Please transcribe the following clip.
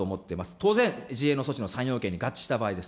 当然、自衛の措置の３要件に合致した場合です。